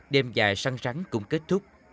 đêm dài săn rắn cũng kết thúc